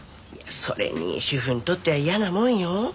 それに主婦にとっては嫌なもんよ。